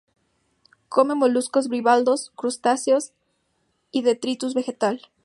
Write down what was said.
Come moluscos bivalvos, crustáceos y detritus vegetal.